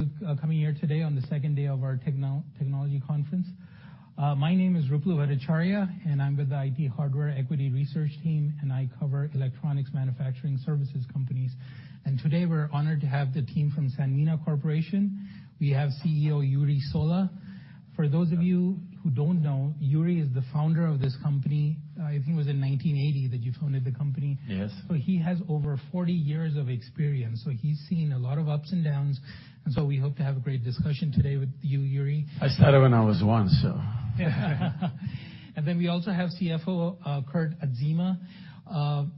all of you coming here today on the second day of our technology conference. My name is Ruplu Bhattacharyya, and I'm with the IT Hardware Equity Research team, and I cover electronics manufacturing services companies. Today, we're honored to have the team from Sanmina Corporation. We have CEO, Jure Sola. For those of you who don't know, Jure is the founder of this company. I think it was in 1980 that you founded the company. Yes. He has over 40 years of experience, so he's seen a lot of ups and downs, and so we hope to have a great discussion today with you, Jure. I started when I was one, so. We also have CFO, Kurt Adzema.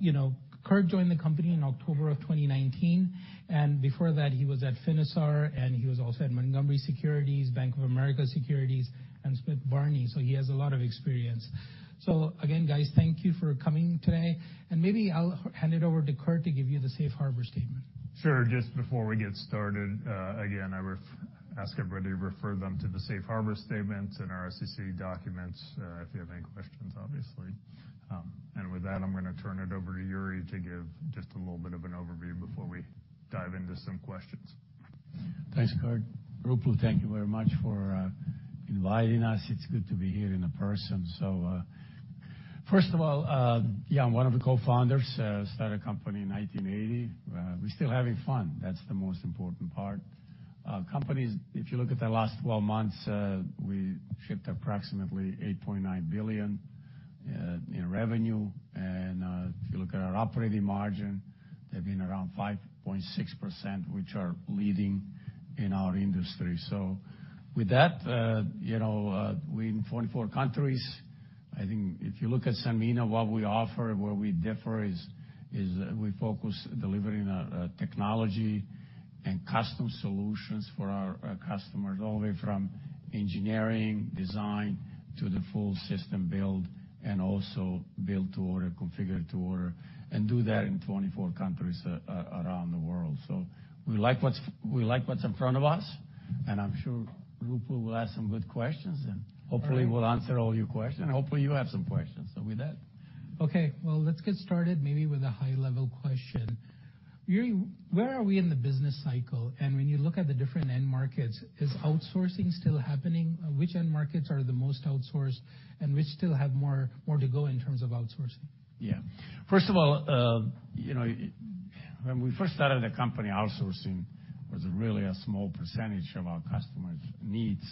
You know, Kurt joined the company in October of 2019, and before that, he was at Finisar, and he was also at Montgomery Securities, Bank of America Securities, and Smith Barney. He has a lot of experience. Again, guys, thank you for coming today, and maybe I'll hand it over to Kurt to give you the safe harbor statement. Sure. Just before we get started, again, I ask everybody to refer them to the safe harbor statement and our SEC documents, if you have any questions, obviously. With that, I'm gonna turn it over to Jure to give just a little bit of an overview before we dive into some questions. Thanks, Kurt. Ruplu, thank you very much for inviting us. It's good to be here in person. First of all, yeah, I'm one of the cofounders. Started company in 1980. We're still having fun. That's the most important part. Companies, if you look at the last 12 months, we shipped approximately $8.9 billion in revenue, if you look at our operating margin, they've been around 5.6%, which are leading in our industry. With that, you know, we're in 44 countries. I think if you look at Sanmina, what we offer and where we differ is we focus delivering a technology and custom solutions for our customers, all the way from engineering, design, to the full system build, and also build to order, configure to order, and do that in 24 countries around the world. We like what's in front of us, and I'm sure Ruplu will ask some good questions, and hopefully, we'll answer all your questions, and hopefully, you have some questions. With that. Okay, well, let's get started maybe with a high-level question. Jure, where are we in the business cycle? When you look at the different end markets, is outsourcing still happening? Which end markets are the most outsourced, and which still have more to go in terms of outsourcing? Yeah. First of all, you know, when we first started the company, outsourcing was really a small percentage of our customers' needs.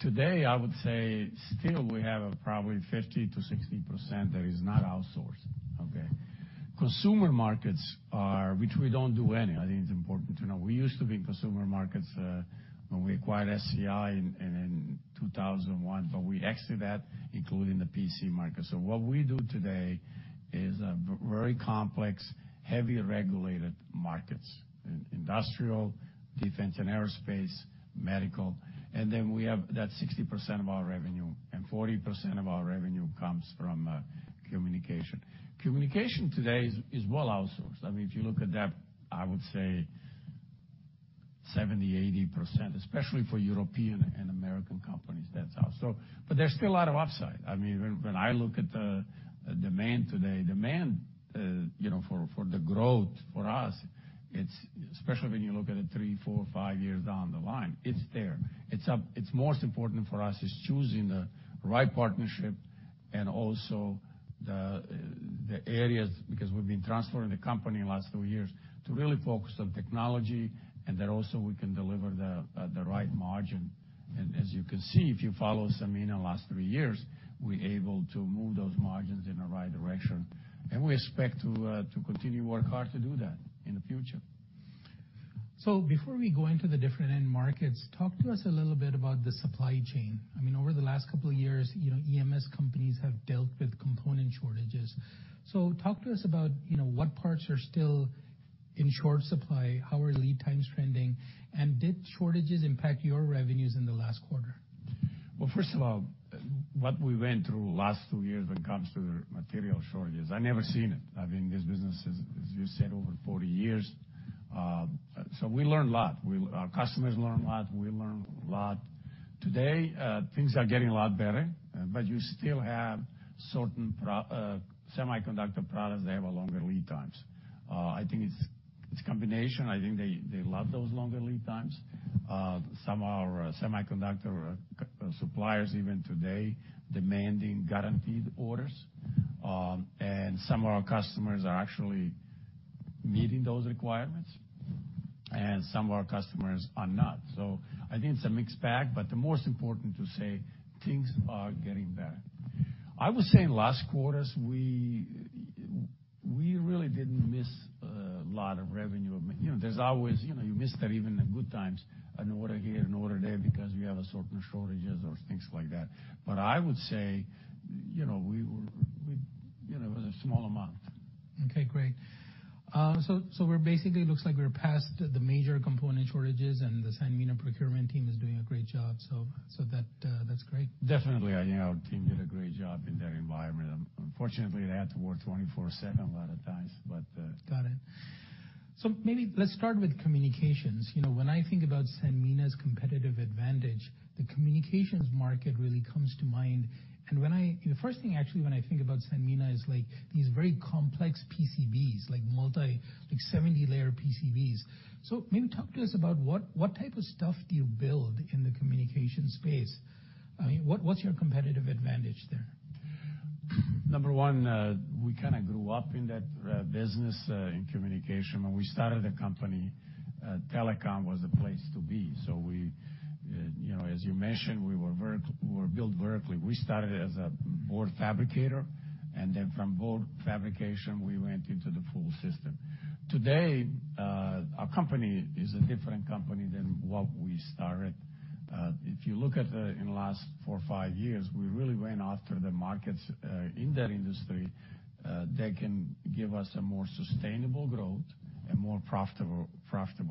Today, I would say still we have probably 50%-60% that is not outsourced, okay? Consumer markets are, which we don't do any, I think it's important to know. We used to be in consumer markets, when we acquired SCI in 2001, we exited that, including the PC market. What we do today is very complex, heavy regulated markets, in industrial, defense and aerospace, medical, and then we have, that's 60% of our revenue, and 40% of our revenue comes from communication. Communication today is well outsourced. I mean, if you look at that, I would say 70%-80%, especially for European and American companies, that's out. But there's still a lot of upside. I mean, when I look at the demand today, demand, you know, for the growth for us, it's especially when you look at it three, four, five years down the line, it's there. It's most important for us is choosing the right partnership and also the areas, because we've been transforming the company in the last two years to really focus on technology, and that also we can deliver the right margin. As you can see, if you follow Sanmina in the last three years, we're able to move those margins in the right direction, and we expect to continue work hard to do that in the future. Before we go into the different end markets, talk to us a little bit about the supply chain. I mean, over the last couple of years, you know, EMS companies have dealt with component shortages. So talk to us about, you know, what parts are still in short supply, how are lead times trending, and did shortages impact your revenues in the last quarter? Well, first of all, what we went through the last 2 years when it comes to the material shortages, I've never seen it. I've been in this business, as you said, over 40 years. We learned a lot. Our customers learned a lot. We learned a lot. Today, things are getting a lot better, but you still have certain semiconductor products, they have a longer lead times. I think it's a combination. I think they love those longer lead times. Some are semiconductor suppliers, even today, demanding guaranteed orders. Some of our customers are actually meeting those requirements, and some of our customers are not. I think it's a mixed bag, but the most important to say, things are getting better. I would say in last quarters, we really didn't miss a lot of revenue. You know, there's always, you know, you missed that even in good times, an order here, an order there, because you have a certain shortages or things like that. I would say, you know, we were, you know, it was a small amount. Okay, great. We're basically looks like we're past the major component shortages, and the Sanmina procurement team is doing a great job. That's great. Definitely, you know, our team did a great job in that environment. Unfortunately, they had to work 24/7 a lot of times. Got it. Maybe let's start with communications. You know, when I think about Sanmina's competitive advantage, the communications market really comes to mind. When I, the first thing, actually, when I think about Sanmina is, like, these very complex PCBs, like multi, like 70-layer PCBs. Maybe talk to us about what type of stuff do you build in the communication space? I mean, what's your competitive advantage there? Number one, we kind of grew up in that business in communication. When we started the company, telecom was the place to be. We, you know, as you mentioned, we were built vertically. We started as a board fabricator, and then from board fabrication, we went into the full system. Today, our company is a different company than what we started. If you look at the, in the last 4-5 years, we really went after the markets in that industry that can give us a more sustainable growth and more profitable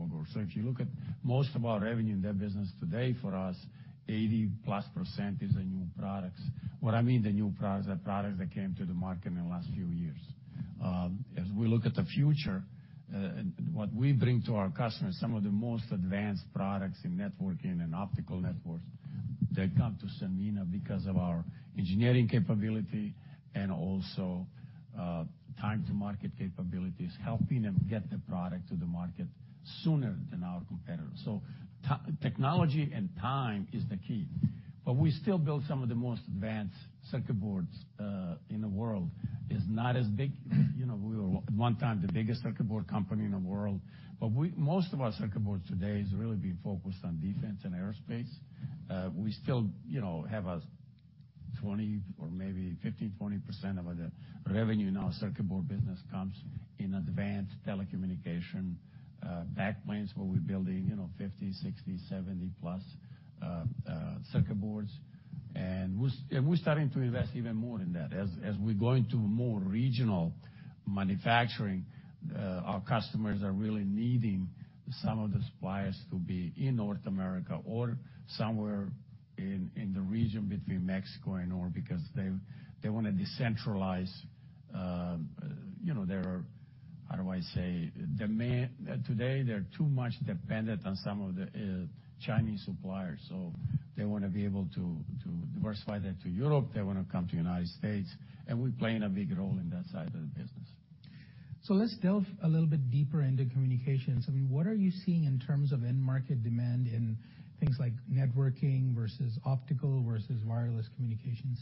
growth. If you look at most of our revenue in that business today, for us, 80%-plus is the new products. What I mean, the new products, are products that came to the market in the last few years. As we look at the future, what we bring to our customers, some of the most advanced products in networking and optical networks, they come to Sanmina because of our engineering capability and also, time to market capabilities, helping them get the product to the market sooner than our competitors. Technology and time is the key, but we still build some of the most advanced circuit boards in the world. It's not as big. You know, we were, at one time, the biggest circuit board company in the world, but most of our circuit boards today has really been focused on defense and aerospace. We still, you know, have a 20% or maybe 15%-20% of the revenue in our circuit board business comes in advanced telecommunication back planes, where we're building, you know, 50, 60, 70-plus circuit boards. We're starting to invest even more in that. As we're going to more regional manufacturing, our customers are really needing some of the suppliers to be in North America or somewhere in the region between Mexico and North, because they wanna decentralize, you know. Their main. Today, they're too much dependent on some of the Chinese suppliers, so they wanna be able to diversify that to Europe, they wanna come to United States, and we're playing a big role in that side of the business. Let's delve a little bit deeper into communications. I mean, what are you seeing in terms of end-market demand in things like networking versus optical versus wireless communications?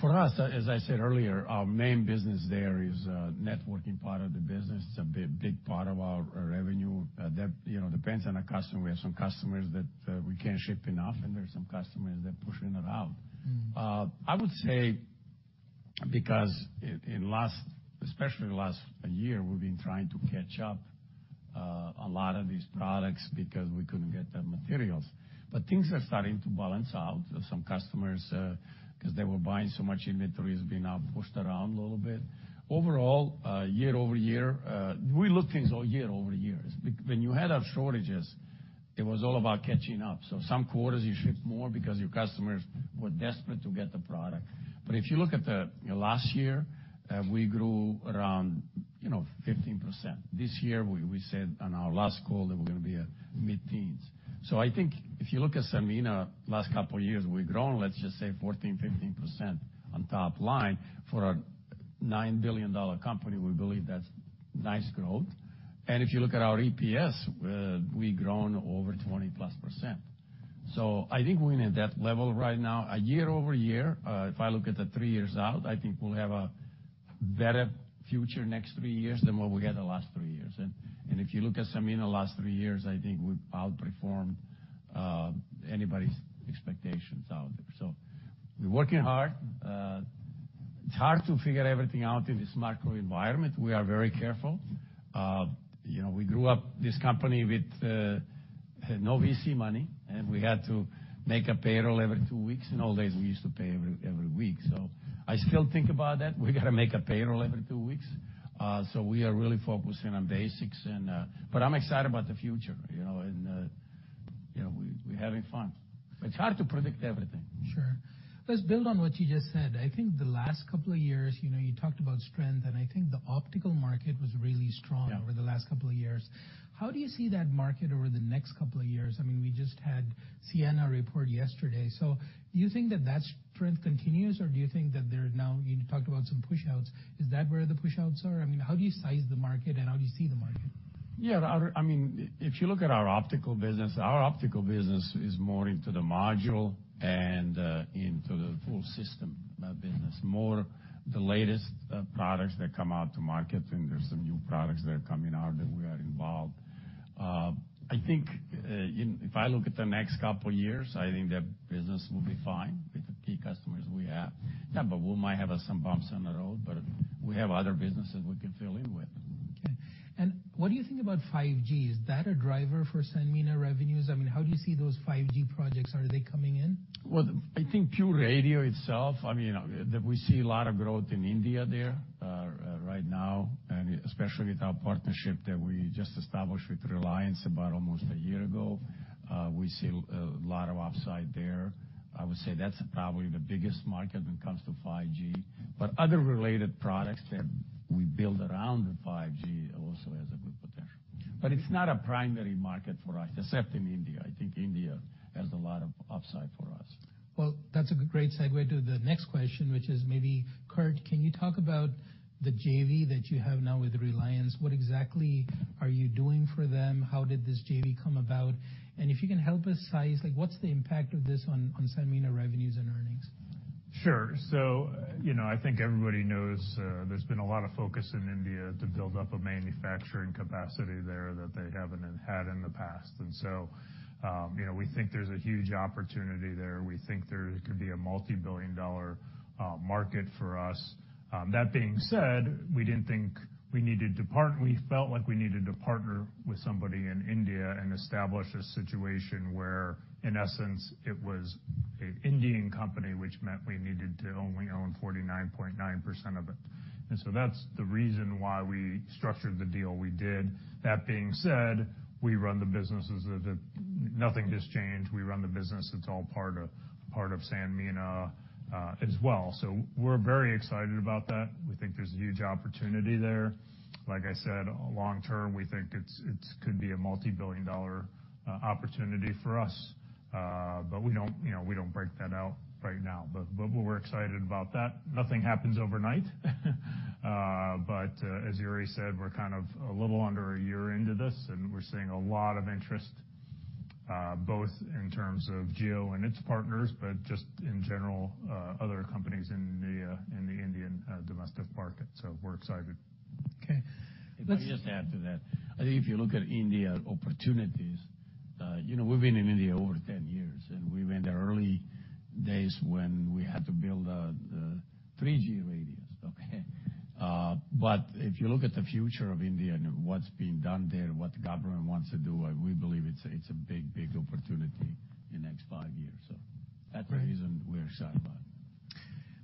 For us, as I said earlier, our main business there is networking part of the business. It's a big part of our revenue. That, you know, depends on the customer. We have some customers that we can't ship enough, and there are some customers that pushing it out. Mm. I would say, because in last, especially last year, we've been trying to catch up, a lot of these products because we couldn't get the materials. Things are starting to balance out. Some customers, because t.ey were buying so much inventory, has been now pushed around a little bit. Overall, year-over-year, we look things all year-over-year. When you had our shortages, it was all about catching up. Some quarters you ship more because your customers were desperate to get the product. If you look at the last year, we grew around, you know, 15%. This year, we said on our last call that we're gonna be at mid-teens. I think if you look at Sanmina last couple of years, we've grown, let's just say 14%, 15% on top line. For a $9 billion company, we believe that's nice growth. If you look at our EPS, we've grown over 20+%. I think we're in at that level right now. Year-over-year, if I look at the 3 years out, I think we'll have a better future next 3 years than what we had the last 3 years. If you look at Sanmina the last 3 years, I think we've outperformed anybody's expectations out there. We're working hard. It's hard to figure everything out in this macro environment. We are very careful. You know, we grew up this company with no VC money, and we had to make a payroll every 2 weeks. In old days, we used to pay every week. I still think about that. We gotta make a payroll every two weeks. We are really focusing on basics. I'm excited about the future, you know, and, you know, we're having fun, but it's hard to predict everything, Sure. Let's build on what you just said. I think the last couple of years, you know, you talked about strength, and I think the optical market was really strong... Yeah over the last couple of years. How do you see that market over the next couple of years? I mean, we just had Ciena report yesterday. Do you think that that strength continues, or do you think that there are now, you talked about some push-outs? Is that where the push-outs are? I mean, how do you size the market, and how do you see the market? I mean, if you look at our optical business, our optical business is more into the module and into the full system business, more the latest products that come out to market, and there's some new products that are coming out that we are involved. I think if I look at the next couple of years, I think that business will be fine with the key customers we have. But we might have some bumps in the road, we have other businesses we can fill in with. Okay. What do you think about 5G? Is that a driver for Sanmina revenues? I mean, how do you see those 5G projects? Are they coming in? Well, I think pure radio itself, I mean, that we see a lot of growth in India there, right now, and especially with our partnership that we just established with Reliance about almost a year ago. We see a lot of upside there. I would say that's probably the biggest market when it comes to 5G, but other related products that we build around the 5G also has a good potential. It's not a primary market for us, except in India. I think India has a lot of upside for us. That's a great segue to the next question, which is maybe, Kurt, can you talk about the JV that you have now with Reliance? What exactly are you doing for them? How did this JV come about? If you can help us size, like, what's the impact of this on Sanmina revenues and earnings? Sure. You know, I think everybody knows, there's been a lot of focus in India to build up a manufacturing capacity there that they haven't had in the past. You know, we think there's a huge opportunity there. We think there could be a $multi-billion market for us. That being said, we felt like we needed to partner with somebody in India and establish a situation where, in essence, it was an Indian company, which meant we needed to only own 49.9% of it. That's the reason why we structured the deal we did. We run the businesses as if nothing has changed. We run the business, it's all part of Sanmina as well. We're very excited about that. We think there's a huge opportunity there. Like I said, long term, we think it's, it could be a multi-billion dollar opportunity for us. But we don't, you know, we don't break that out right now. But we're excited about that. Nothing happens overnight. But as Jure said, we're kind of a little under a year into this, and we're seeing a lot of interest, both in terms of Jio and its partners, but just in general, other companies in the Indian domestic market. We're excited. Okay. Let me just add to that. I think if you look at India opportunities, you know, we've been in India over 10 years. We were in the early days when we had to build the 3G radios, okay? If you look at the future of India and what's being done there, what the government wants to do, we believe it's a big, big opportunity in the next five years. That's the reason we're excited about it.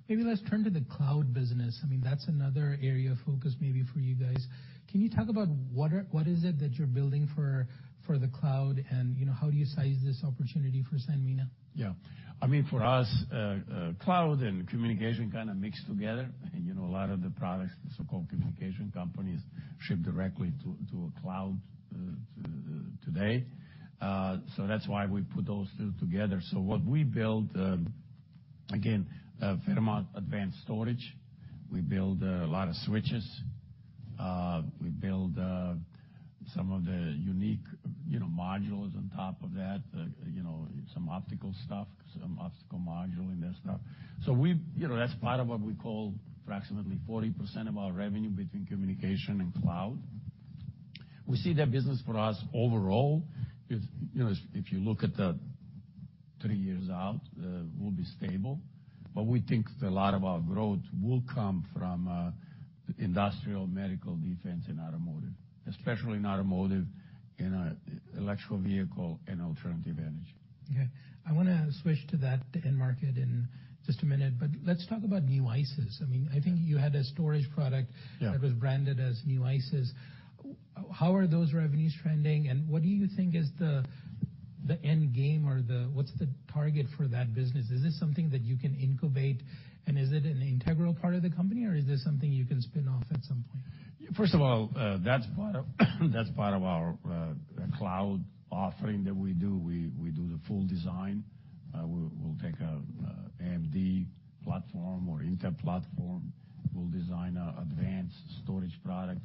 Maybe let's turn to the cloud business. I mean, that's another area of focus maybe for you guys. Can you talk about what is it that you're building for the cloud? You know, how do you size this opportunity for Sanmina? Yeah. I mean, for us, cloud and communication kind of mixed together. You know, a lot of the products, the so-called communication companies, ship directly to a cloud today. That's why we put those two together. What we build, again, a fair amount advanced storage. We build a lot of switches. We build some of the unique, you know, modules on top of that, you know, some optical stuff, some optical module in that stuff. We've, you know, that's part of what we call approximately 40% of our revenue between communication and cloud. We see that business for us overall, if, you know, if you look at the 3 years out, will be stable, but we think that a lot of our growth will come from industrial, medical, defense, and automotive. Especially in automotive, in, electrical vehicle and alternative energy. I wanna switch to that end market in just a minute, but let's talk about Newisys. I mean, I think you had a storage product. Yeah. that was branded as Newisys. How are those revenues trending, and what do you think is the end game or what's the target for t.at business? Is this something that you can incubate, and is it an integral part of the company, or is this something you can spin off at some point? First of all, that's part of, that's part of our cloud offering that we do. We do the full design. We'll take an AMD platform or Intel platform. We'll design an advanced storage product.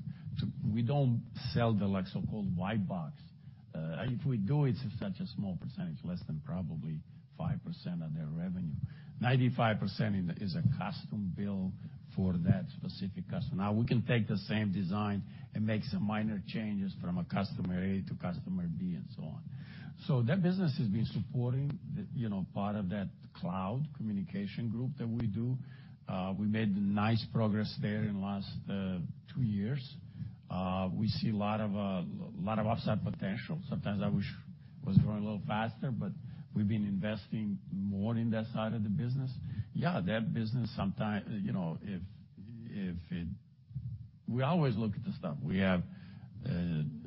We don't sell the, like, so-called white box. If we do, it's such a small percentage, less than probably 5% of their revenue. 95% in the, is a custom build for that specific customer. We can take the same design and make some minor changes from a customer A to customer B and so on. That business has been supporting, you know, part of that cloud communication group that we do. We made nice progress there in the last 2 years. We see a lot of upside potential. Sometimes I wish it was growing a little faster, but we've been investing more in that side of the business. Yeah, that business sometimes, you know, We always look at the stuff. We have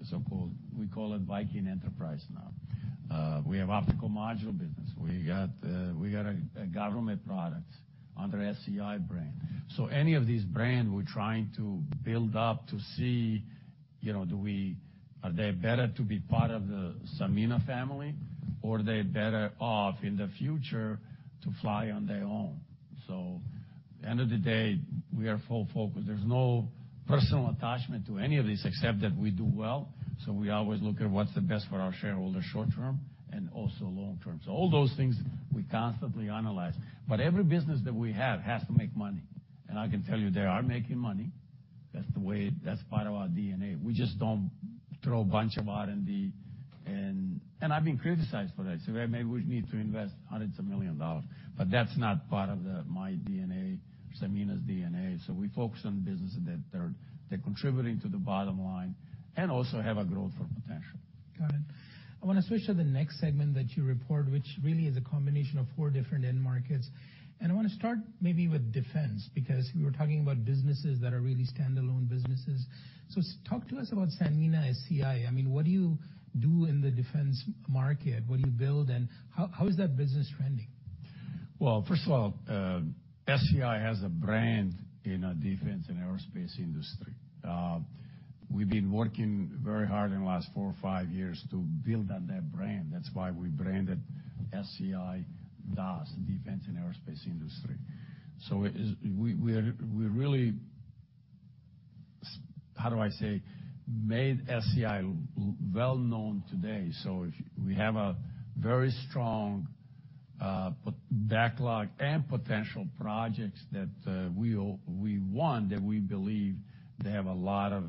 so-called, we call it Viking Enterprise now. We have optical module business. We got a government product under SCI brand. Any of these brands, we're trying to build up to see, you know, are they better to be part of the Sanmina family, or are they better off in the future to fly on their own? At the end of the day, we are full focused. There's no personal attachment to any of these except that we do well. We always look at what's the best for our shareholders short term and also long term. All those things we constantly analyze. Every business that we have has to make money, and I can tell you they are making money. That's the way. That's part of our DNA. We just don't throw a bunch of R&D. I've been criticized for that. Maybe we need to invest hundreds of million dollars, but that's not part of my DNA, Sanmina's DNA. We focus on businesses that are, they're contributing to the bottom line and also have a growth potential. Got it. I wanna switch to the next segment that you report, which really is a combination of four different end markets. I wanna start maybe with defense, because you were talking about businesses that are really standalone businesses. talk to us about Sanmina SCI. I mean, what do you do in the defense market? What do you build, and how is that business trending? First of all, SCI has a brand in a defense and aerospace industry. We've been working very hard in the last 4 or 5 years to build on that brand. That's why we branded SCI DAAS, Defense and Aerospace Industry. It is we're really, how do I say, made SCI well known today. If we have a very strong backlog and potential projects that we want, that we believe they have a lot of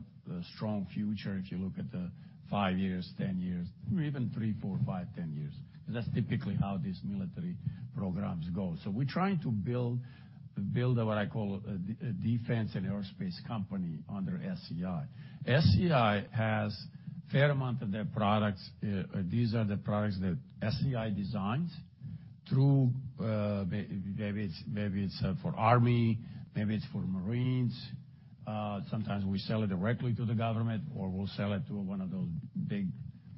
strong future, if you look at the 5 years, 10 years, or even 3, 4, 5, 10 years. That's typically how these military programs go. We're trying to build what I call a defense and aerospace company under SCI. SCI has a fair amount of their products, these are the products that SCI designs through, maybe it's for Army, maybe it's for Marines. Sometimes we sell it directly to the government, or we'll sell it to one of those big,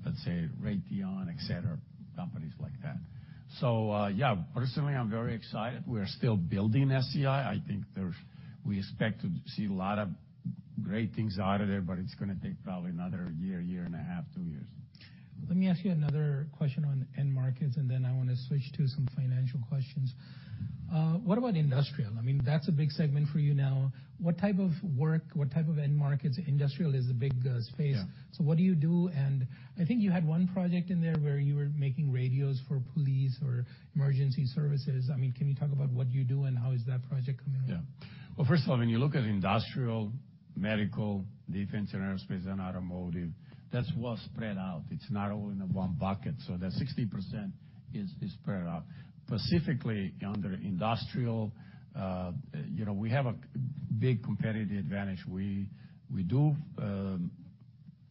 let's say, Raytheon, et cetera, companies like that. Yeah, personally, I'm very excited. We are still building SCI. I think we expect to see a lot of great things out of there, but it's gonna take probably another year and a half, two years. Let me ask you another question on end markets, and then I want to switch to some financial questions. What about industrial? I mean, that's a big segment for you now. What type of work, what type of end markets? Industrial is a big space. Yeah. What do you do? I think you had one project in there where you were making radios for police or emergency services. I mean, can you talk about what you do and how is that project coming on? Well, first of all, when you look at industrial, medical, defense, and aerospace, and automotive, that's well spread out. It's not all in the one bucket, so that 60% is spread out. Specifically, under industrial, you know, we have a big competitive advantage. We do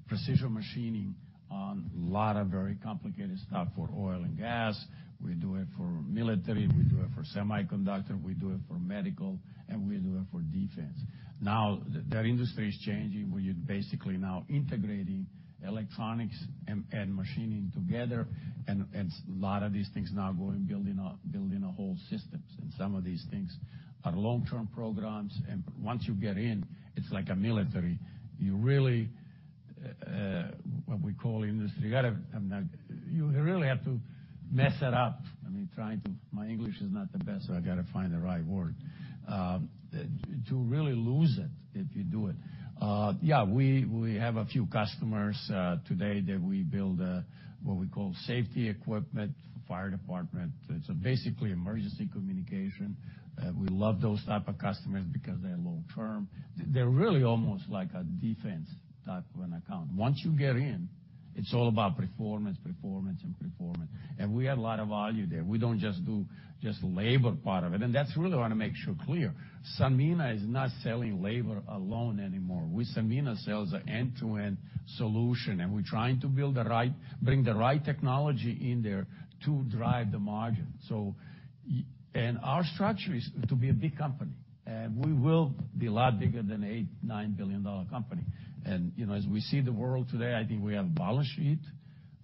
precision machining on a lot of very complicated stuff for oil and gas. We do it for military, we do it for semiconductor, we do it for medical, and we do it for defense. That industry is changing. We are basically now integrating electronics and machining together, and a lot of these things now going building a whole systems. Some of these things are long-term programs, and once you get in, it's like a military. You really, what we call industry, you gotta, you really have to mess it up. I mean, My English is not the best, so I gotta find the right word. To really lose it, if you do it. Yeah, we have a few customers today that we build what we call safety equipment, fire department. It's basically emergency communication. We love those type of customers because they're long term. They're really almost like a defense type of an account. Once you get in, it's all about performance, and performance. We have a lot of value there. We don't just do just labor part of it, that's really I want to make sure clear. Sanmina is not selling labor alone anymore. We, Sanmina, sells an end-to-end solution, we're trying to bring the right technology in there to drive the margin. Our structure is to be a big company, and we will be a lot bigger than a $8 billion-$9 billion company. You know, as we see the world today, I think we have a balance sheet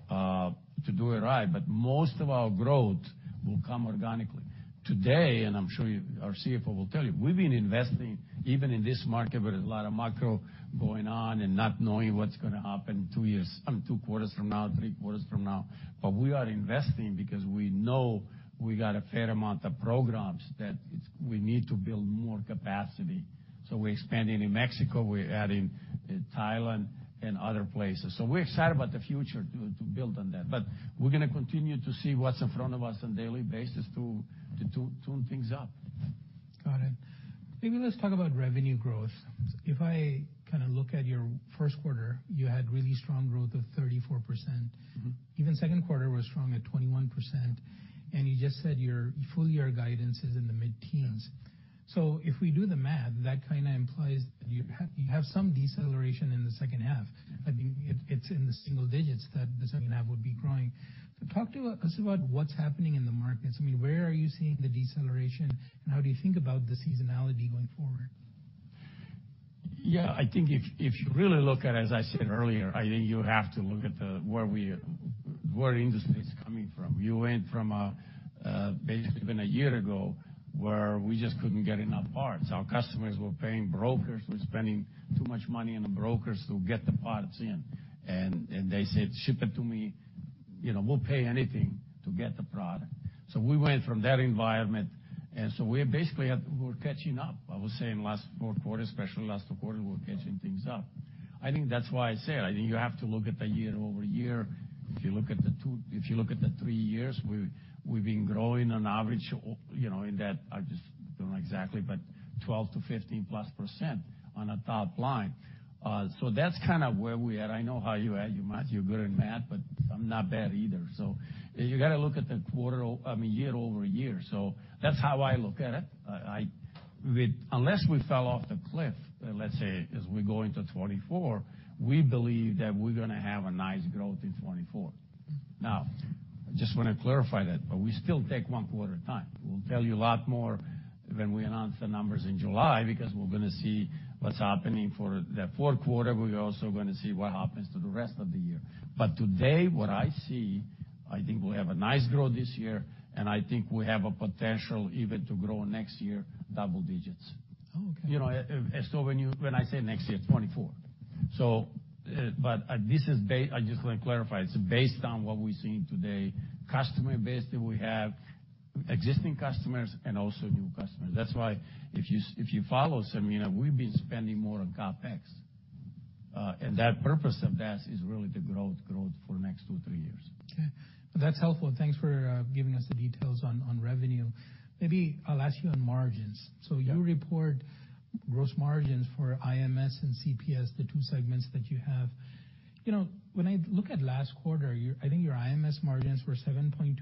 to do it right, but most of our growth will come organically. Today, I'm sure you, our CFO will tell you, we've been investing even in this market, where there's a lot of macro going on and not knowing what's gonna happen 2 years, 2 quarters from now, 3 quarters from now. We are investing because we know we got a fair amount of programs that it's, we need to build more capacity. We're expanding in Mexico, we're adding in Thailand and other places. We're excited about the future to build on that. We are going to continue to see what's in front of us on a daily basis to tune things up. Got it. Maybe let's talk about revenue growth. If I kind of look at your first quarter, you had really strong growth of 34%. Mm-hmm. Even second quarter was strong at 21%, and you just said your full year guidance is in the mid-teens. Yeah. If we do the math, that kind of implies you have some deceleration in the second half. I mean, it's in the single digits that the second half would be growing. Talk to us about what's happening in the markets. I mean, where are you seeing the deceleration, and how do you think about the seasonality going forward? Yeah, I think if you really look at, as I said earlier, I think you have to look at where we are, where the industry is coming from. You went from a basically even a year ago, where we just couldn't get enough parts. Our customers were paying brokers. We're spending too much money on the brokers to get the parts in, and they said, "Ship it to me. You know, we'll pay anything to get the product." We went from that environment, we basically we're catching up. I was saying last fourth quarter, especially last quarter, we're catching things up. I think that's why I said, I think you have to look at the year-over-year. If you look at the three years, we've been growing on average, you know, in that, I just don't know exactly, 12-15+% on the top line. That's kind of where we are. I know how you are, you're good at math, I'm not bad either. You gotta look at the quarter, I mean, year-over-year. That's how I look at it. Unless we fell off the cliff, let's say, as we go into 2024, we believe that we're gonna have a nice growth in 2024. I just want to clarify that, we still take one quarter at a time. We'll tell you a lot more... when we announce the numbers in July, because we're gonna see what's happening for the fourth quarter. We're also gonna see what happens to the rest of the year. Today, what I see, I think we'll have a nice growth this year, and I think we have a potential even to grow next year, double digits. Oh, okay. You know, when I say next year, 2024. This is I just want to clarify, it's based on what we're seeing today, customer base that we have, existing customers and also new customers. That's why if you, if you follow Sanmina, we've been spending more on CapEx, and that purpose of that is really the growth for next 2-3 years. Okay, that's helpful. Thanks for giving us the details on revenue. Maybe I'll ask you on margins. Yeah. You report gross margins for IMS and CPS, the two segments that you have. You know, when I look at last quarter, I think your IMS margins were 7.2%,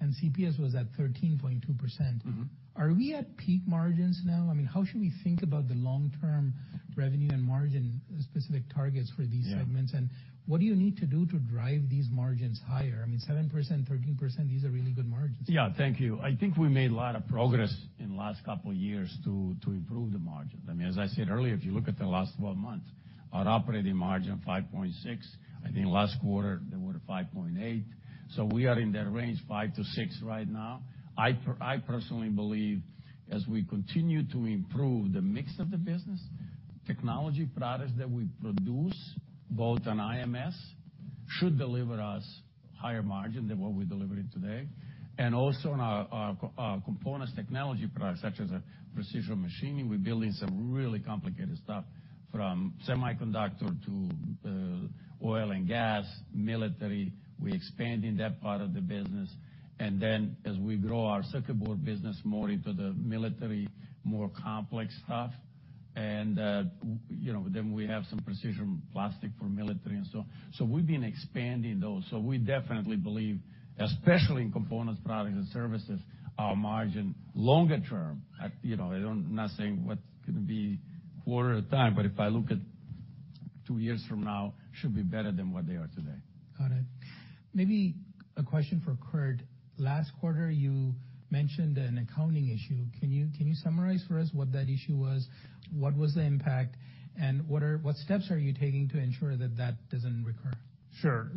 and CPS was at 13.2%. Mm-hmm. Are we at peak margins now? I mean, how should we think about the long-term revenue and margin-specific targets for these segments? Yeah. What do you need to do to drive these margins higher? I mean, 7%, 13%, these are really good margins. Yeah. Thank you. I think we made a lot of progress- Yes... in the last couple of years to improve the margin. I mean, as I said earlier, if you look at the last 12 months, our operating margin, 5.6%. I think last quarter, they were 5.8%. We are in that range, 5%-6% right now. I personally believe as we continue to improve the mix of the business, technology products that we produce, both on IMS, should deliver us higher margin than what we're delivering today. Also on our components, technology products, such as a precision machining, we're building some really complicated stuff, from semiconductor to oil and gas, military. We're expanding that part of the business. As we grow our circuit board business more into the military, more complex stuff, and, you know, then we have some precision plastic for military and so on. We've been expanding those. We definitely believe, especially in components, products, and services, our margin, longer term, at, you know, I don't, not saying what's gonna be quarter at a time, but if I look at two years from now, should be better than what they are today. Got it. Maybe a question for Kurt. Last quarter, you mentioned an accounting issue. Can you summarize for us what that issue was? What was the impact, and what steps are you taking to ensure that that doesn't recur? Sure.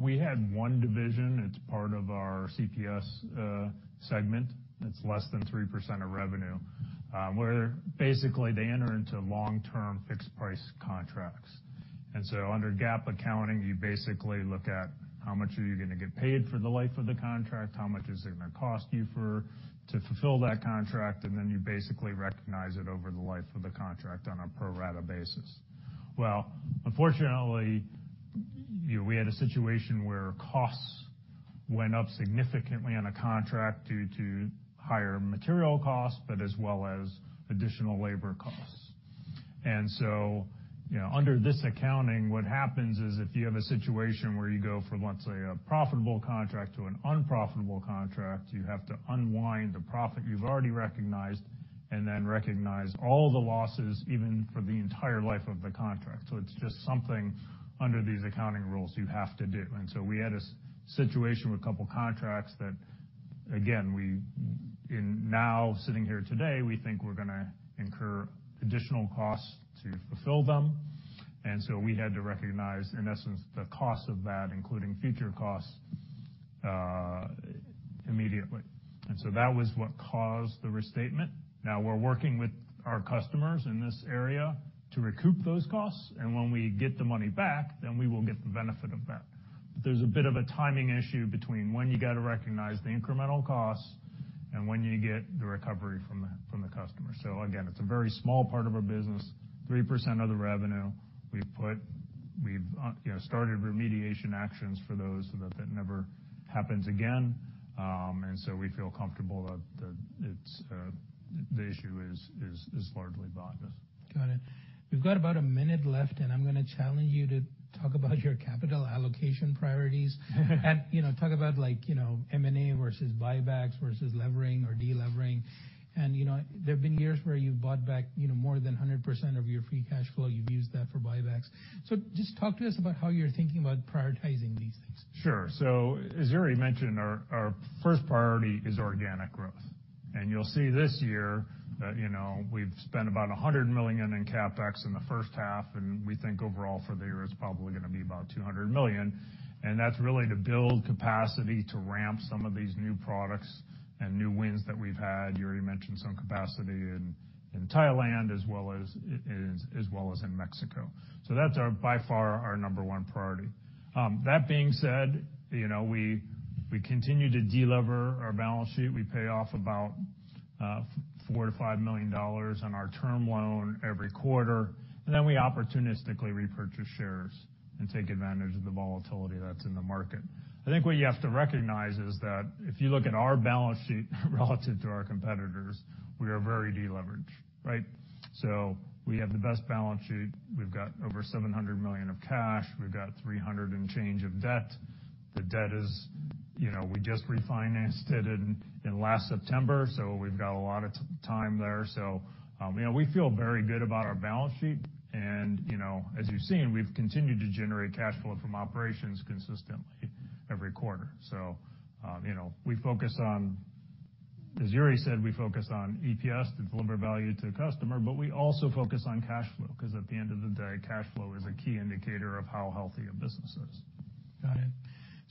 We had one division, it's part of our CPS segment. It's less than 3% of revenue, where basically, they enter into long-term fixed price contracts. Under GAAP accounting, you basically look at how much are you gonna get paid for the life of the contract, how much is it gonna cost you to fulfill that contract, and then you basically recognize it over the life of the contract on a pro rata basis. Unfortunately, you know, we had a situation where costs went up significantly on a contract due to higher material costs, but as well as additional labor costs. You know, under this accounting, what happens is, if you have a situation where you go from, let's say, a profitable contract to an unprofitable contract, you have to unwind the profit you've already recognized and then recognize all the losses, even for the entire life of the contract. It's just something under these accounting rules you have to do. We had a situation with a couple contracts that, again, and now, sitting here today, we think we're gonna incur additional costs to fulfill them. We had to recognize, in essence, the cost of that, including future costs, immediately. That was what caused the restatement. Now, we're working with our customers in this area to recoup those costs, and when we get the money back, then we will get the benefit of that. There's a bit of a timing issue between when you got to recognize the incremental costs and when you get the recovery from the customer. Again, it's a very small part of our business, 3% of the revenue. We've, you know, started remediation actions for those, that never happens again. We feel comfortable that it's the issue is largely behind us. Got it. We've got about a minute left, I'm gonna challenge you to talk about your capital allocation priorities. You know, talk about like, you know, M&A versus buybacks versus levering or delevering. You know, there have been years where you've bought back you know, more than 100% of your free cash flow. You've used that for buybacks. Just talk to us about how you're thinking about prioritizing these things. Sure. As Jure mentioned, our first priority is organic growth. You'll see this year that, you know, we've spent about $100 million in CapEx in the first half, and we think overall for the year, it's probably gonna be about $200 million. That's really to build capacity to ramp some of these new products and new wins that we've had. Jure mentioned some capacity in Thailand, as well as in Mexico. That's our, by far, our number one priority. That being said, you know, we continue to delever our balance sheet. We pay off about $4 million-$5 million on our term loan every quarter, and then we opportunistically repurchase shares and take advantage of the volatility that's in the market. I think what you have to recognize is that if you look at our balance sheet relative to our competitors, we are very deleveraged, right? We have the best balance sheet. We've got over $700 million of cash. We've got $300 and change of debt. The debt is, you know, we just refinanced it in last September, we've got a lot of time there. You know, we feel very good about our balance sheet, and, you know, as you've seen, we've continued to generate cash flow from operations consistently every quarter. You know, we focus on, as Yuri said, we focus on EPS to deliver value to the customer, but we also focus on cash flow, 'cause at the end of the day, cash flow is a key indicator of how healthy a business is. Got it.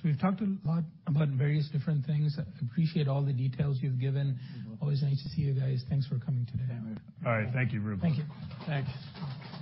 We've talked a lot about various different things. I appreciate all the details you've given. You're welcome. Always nice to see you guys. Thanks for coming today. All right. Thank you very much. Thank you. Thanks.